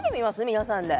皆さんで。